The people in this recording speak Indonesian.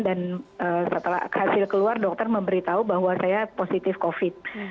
dan setelah hasil keluar dokter memberitahu bahwa saya positif covid